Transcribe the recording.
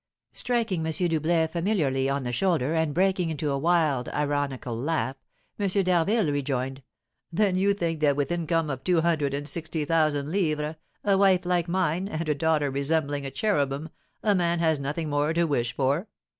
Striking M. Doublet familiarly on the shoulder, and breaking into a wild, ironical laugh, M. d'Harville rejoined: "Then you think that with an income of two hundred and sixty thousand livres, a wife like mine, and a daughter resembling a cherubim, a man has nothing more to wish for?"